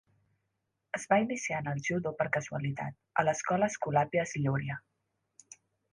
Es va iniciar en el judo per casualitat, a l’escola Escolàpies Llúria.